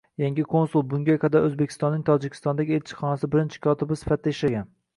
Yangi konsul bunga qadar O‘zbekistonning Tojikistondagi elchixonasi birinchi kotibi sifatida ishlagan